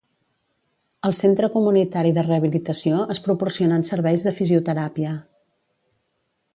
Al Centre Comunitari de Rehabilitació es proporcionen serveis de fisioteràpia.